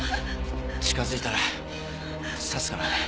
近づいたら刺すからね。